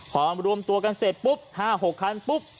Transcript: พอรวมตัวกันเสร็จปุ๊บ๕๖คันปุ๊บ